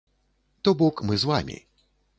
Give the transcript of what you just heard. То бок, мы з вамі.